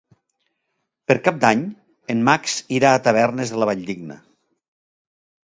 Per Cap d'Any en Max irà a Tavernes de la Valldigna.